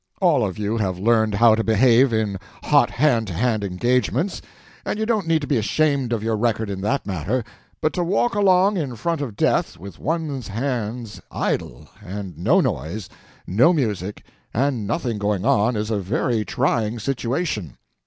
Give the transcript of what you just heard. All of you have learned how to behave in hot hand to hand engagements, and you don't need to be ashamed of your record in that matter; but to walk along in front of death, with one's hands idle, and no noise, no music, and nothing going on, is a very trying situation.